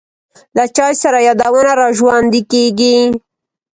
له چای سره یادونه را ژوندی کېږي.